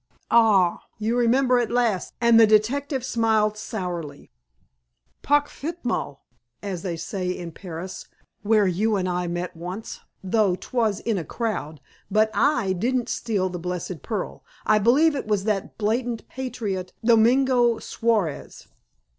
"Ah! You remember, at last," and the detective smiled sourly. "Parfaitement! as they say in Paris, where you and I met once, though 'twas in a crowd. But I didn't steal the blessed pearl. I believe it was that blatant patriot, Domengo Suarez."